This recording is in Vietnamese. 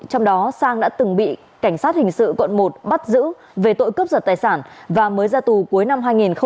trong đó sang đã từng bị cảnh sát hình sự quận một bắt giữ về tội cướp giật tài sản và mới ra tù cuối năm hai nghìn một mươi ba